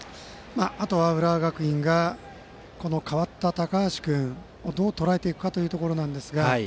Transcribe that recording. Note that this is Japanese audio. あとは浦和学院が代わった高橋君をどうとらえていくかですが。